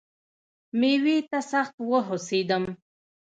مېوې ته سخت وهوسېدم .